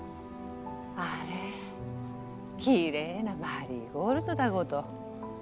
あれきれいなマリーゴールドだごど。